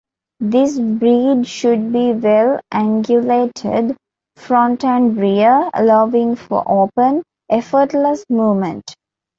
This breed should be well-angulated front and rear, allowing for open, effortless movement.